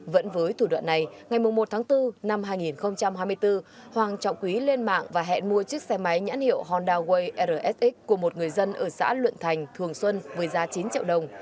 vẫn với thủ đoạn này ngày một tháng bốn năm hai nghìn hai mươi bốn hoàng trọng quý lên mạng và hẹn mua chiếc xe máy nhãn hiệu honda way rsx của một người dân ở xã luận thành thường xuân với giá chín triệu đồng